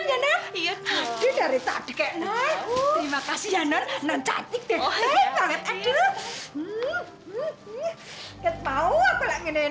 aduh aduh aduh